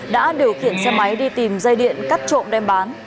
đã điều khiển xe máy đi tìm dây điện cắt trộm đem bán